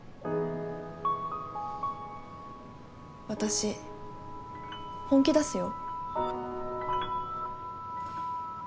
私本気出すよ。